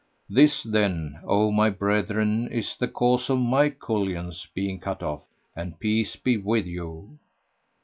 This, then, O my brethren, is the cause of my cullions being cut off; and peace be with you!